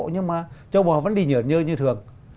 nhưng mà châu bò vẫn đi nhờ nhơ như thường